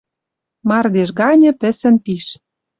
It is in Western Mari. Мардеж ганьы пӹсӹн пиш